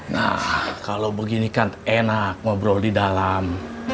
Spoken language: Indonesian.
nah kalau begini kan enak ngobrol di dalam